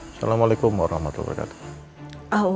assalamualaikum warahmatullahi wabarakatuh